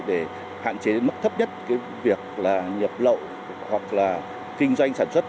để mức thấp nhất việc nghiệp lậu hoặc là kinh doanh sản xuất